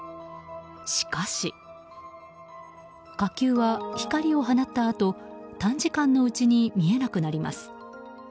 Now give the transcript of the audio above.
しかし、火球は光を放ったあと短時間のうちに見えなくなります。